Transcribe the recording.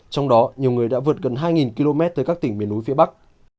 trong đó nhiều người đã vượt gần hai km tới các tỉnh miền núi phía bắc